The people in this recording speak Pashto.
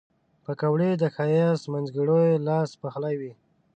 پکورې د ښایسته مینځګړیو لاس پخلي وي